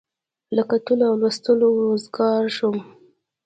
له کتلو او لوستلو وزګار شوم.